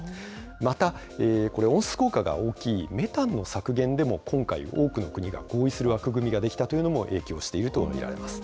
またこれ、温室効果が大きいメタンの削減でも、今回、多くの国が合意する枠組みができたというのも、影響していると見られます。